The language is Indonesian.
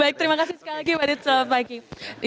baik terima kasih sekali lagi pak adi